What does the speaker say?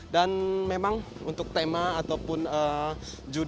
dan memang untuk tema ataupun judi